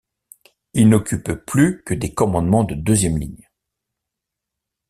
Il n’occupe plus que des commandements de deuxième ligne.